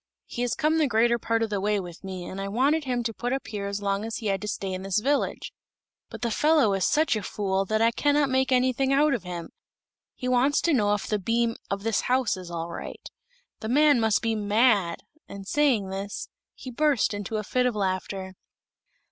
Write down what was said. "He has come the greater part of the way with me, and I wanted him to put up here as long as he had to stay in this village. But the fellow is such a fool that I cannot make anything out of him. He wants to know if the beam of this house is all right. The man must be mad!" and saying this, he burst into a fit of laughter.